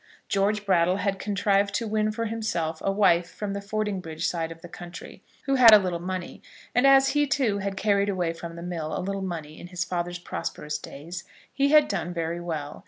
George Brattle had contrived to win for himself a wife from the Fordingbridge side of the country, who had had a little money; and as he, too, had carried away from the mill a little money in his father's prosperous days, he had done very well.